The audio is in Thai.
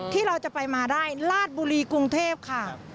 ที่เราจะไปมาได้ลาดบุรีกรุงเทพค่ะ